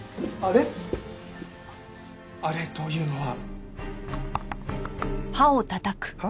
あれというのは？は？